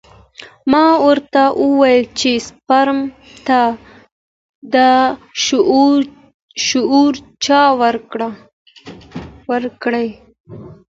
ما ورته وويل چې سپرم ته دا شعور چا ورکړى.